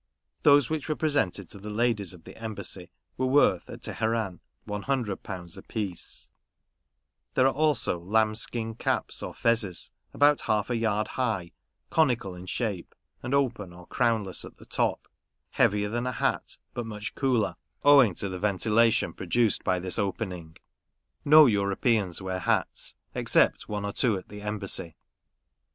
Those which were pre sented to the ladies of the Embassy were pounds caps, or fezes, about half a yard high, conical in shape, and open, or crownless, at the top ; heavier than a hat, but much cooler, owing to the ventilation produced by this opening. No Europeans wear hats, except one or two at the Embassy.